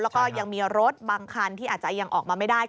แล้วก็ยังมีรถบางคันที่อาจจะยังออกมาไม่ได้